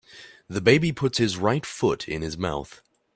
The baby puts his right foot in his mouth.